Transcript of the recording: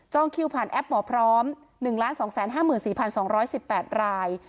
คิวผ่านแอปหมอพร้อม๑๒๕๔๒๑๘ราย